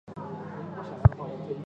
祖父是台湾人。